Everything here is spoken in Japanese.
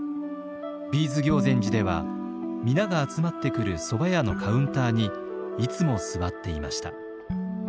Ｂ’ｓ行善寺では皆が集まってくるそば屋のカウンターにいつも座っていました。